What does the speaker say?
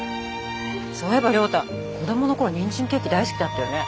そういえば亮太子どもの頃にんじんケーキ大好きだったよね。